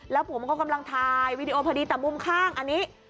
แล้วผมก็กำลังถ่ายวีดีโอพอดีแต่มุมข้างอันนี้